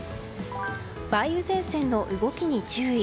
梅雨前線の動きに注意。